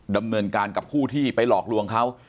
ดำเนินการกับผู้ที่ไปหลอกลวงเขา